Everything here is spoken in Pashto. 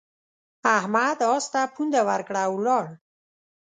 احمد اس ته پونده ورکړه او ولاړ.